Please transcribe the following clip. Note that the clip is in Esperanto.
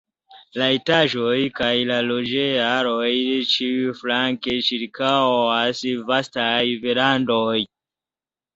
La etaĝojn kaj la loĝej-alojn ĉiuflanke ĉirkaŭas vastaj verandoj.